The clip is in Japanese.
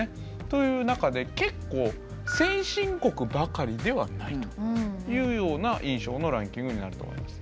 という中で結構先進国ばかりではないというような印象のランキングになると思います。